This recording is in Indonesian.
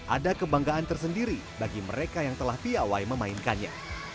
ada kebanggaan tersendiri bagi mereka yang telah piawai memainkannya